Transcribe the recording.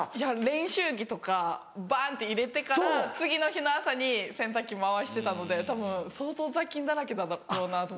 練習着とかバンって入れてから次の日の朝に洗濯機回してたのでたぶん相当雑菌だらけなんだろうなと。